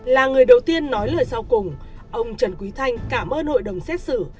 là người đầu tiên nói lời sau cùng ông trần quý thanh cảm ơn hội đồng xét xử